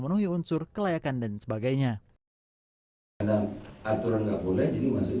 nah bagaimana perdagang perdagangnya ini dulu nih